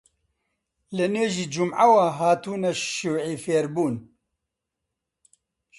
لە نوێژی جومعەوە هاتوونە شیووعی فێر بوون؟